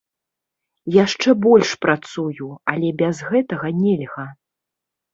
Яшчэ больш працую, але без гэтага нельга.